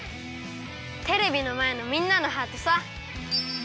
テレビのまえのみんなのハートさ！